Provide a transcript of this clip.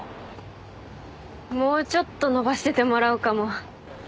もうちょっと伸ばしててもらうかも。